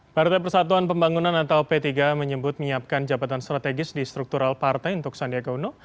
partai persatuan pembangunan atau p tiga menyebut menyiapkan jabatan strategis di struktural partai untuk sandiaga uno